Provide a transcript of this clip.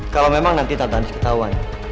kalau memang nanti tante harus ketahuan